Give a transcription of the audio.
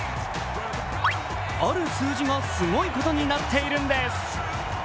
ある数字がすごいことになっているんです。